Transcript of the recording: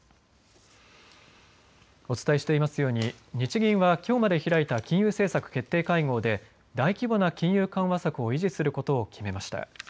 お伝えしていますように日銀はきょうまで開いた金融政策決定会合で大規模な金融緩和策を維持することを決めました。